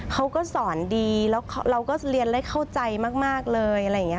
เขาก็สอนดีแล้วเราก็เรียนได้เข้าใจมากเลยอะไรอย่างนี้